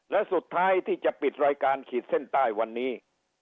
และสุดท้ายที่จะปิดรายการขีดเส้นใต้วันนี้